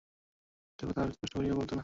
কেহ তাহার বয়স স্পষ্ট করিয়া বলিত না।